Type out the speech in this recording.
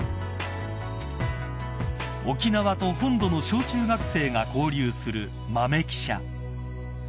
［沖縄と本土の小中学生が交流する豆記者］